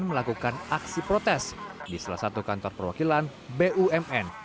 melakukan aksi protes di salah satu kantor perwakilan bumn